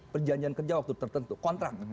perjanjian kerja waktu tertentu kontrak